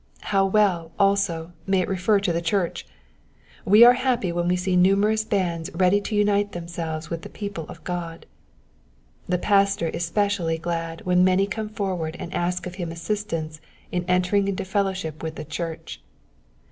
How well, also, may it refer to the church ! We are happy when we see numerous bands ready to unite themselves with the people of Opd. The pastor is specially glad when many come forward and ask of him assistance in entering into fellowship with the church.